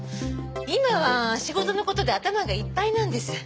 今は仕事の事で頭がいっぱいなんです。